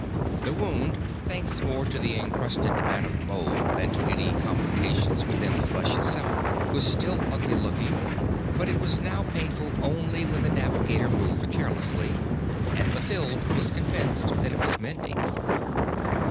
The wound, thanks more to the encrusted matte of mold than to any complications within the flesh itself, was still ugly looking, but it was now painful only when the navigator moved carelessly, and Mathild was convinced that it was mending.